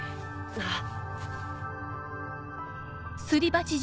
ああ。